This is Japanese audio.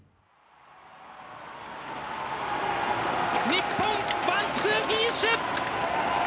日本ワンツーフィニッシュ！